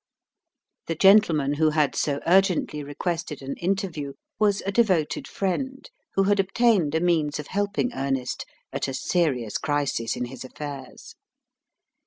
The gentleman who had so urgently requested an interview was a devoted friend, who had obtained a means of helping Ernest at a serious crisis in his affairs.